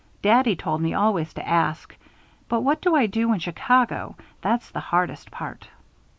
Daddy told me always to ask. But what do I do in Chicago? That's the hardest part."